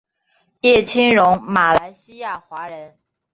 叶清荣马来西亚华人。